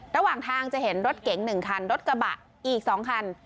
ระหว่างทางจะเห็นรถเก๋ง๑คันรถกระบะอีก๒คัน